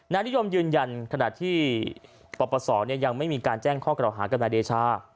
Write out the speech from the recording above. นานิยมยืนยันขณะที่ปรับประสอบเนี่ยยังไม่มีการแจ้งข้อกระด่าอาหารกับมาเดชา